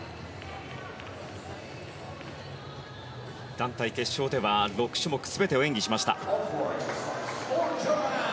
団体決勝では６種目全てを演技しました。